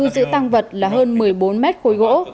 giữ tăng vật là hơn một mươi bốn mét khối gỗ